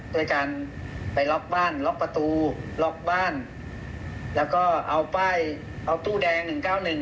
ด้วยการไปล็อกบ้านล็อกประตูล็อกบ้านแล้วก็เอาป้ายเอาตู้แดง๑๙๑